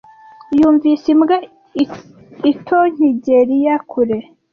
Yumvise imbwa itonkigelia kure.